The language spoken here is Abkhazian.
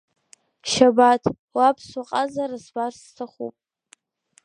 Шьабаҭ, уаԥсуа ҟазара збарц сҭахуп.